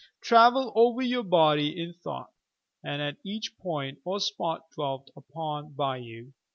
Travel over your body in thought, and at each point or spot dwelt upon by you.